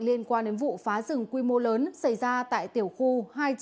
liên quan đến vụ phá rừng quy mô lớn xảy ra tại tiểu khu hai trăm chín mươi